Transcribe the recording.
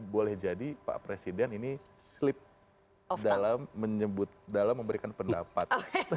boleh jadi pak presiden ini slip dalam memberikan pendapat